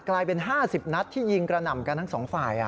กลายเป็น๕๐นัดที่ยิงกระหน่ำกันทั้งสองฝ่าย